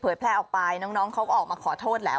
แพร่ออกไปน้องเขาก็ออกมาขอโทษแล้ว